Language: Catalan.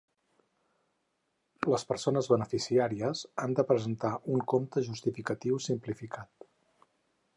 Les persones beneficiàries han de presentar un compte justificatiu simplificat.